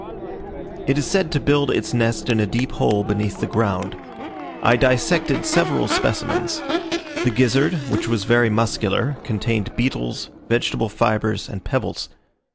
It is said to build its nest in a deep hole beneath the ground. I dissected several specimens: the gizzard, which was very muscular, contained beetles, vegetable fibres, and pebbles.